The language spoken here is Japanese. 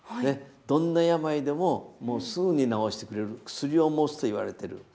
どんな病でもすぐに治してくれる薬を持つといわれてる。